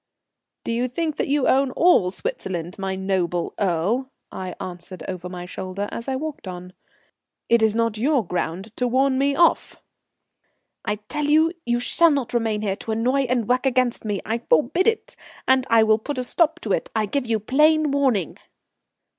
"Do you think that you own all Switzerland, my noble earl?" I answered over my shoulder as I walked on. "It is not your ground to warn me off." "I tell you you shall not remain here to annoy me and work against me. I forbid it, and I will put a stop to it. I give you plain warning."